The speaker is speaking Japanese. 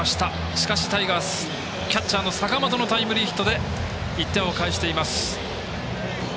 しかし、タイガースキャッチャーの坂本のタイムリーヒットで１点を返しています。